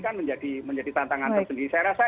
kan menjadi tantangan tersendiri saya rasa